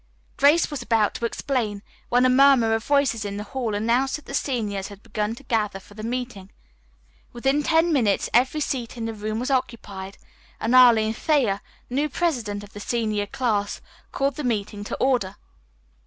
Grace was about to explain, when a murmur of voices in the hall announced that the seniors had begun to gather for the meeting. Within ten minutes every seat in the room was occupied, and Arline Thayer, now president of the senior class, called the meeting to order.